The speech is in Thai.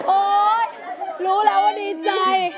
โอ้ยรู้แล้วว่าดีใจ